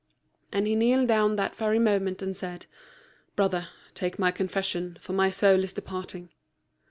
And he kneeled down that very moment, and said, "Brother, take my confession, for my soul is departing."